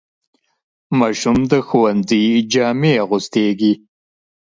ماشوم د ښوونځي جامې اغوستېږي.